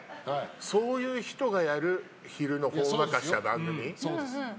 そういう人がやる昼のほんわかした番組。